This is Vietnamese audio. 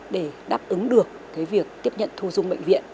để đáp ứng được việc tiếp nhận thu dung bệnh viện